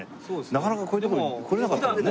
なかなかこういうとこに来られなかったからね。